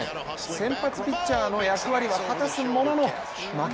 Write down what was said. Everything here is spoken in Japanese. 先発ピッチャーの役割は果たすものの負け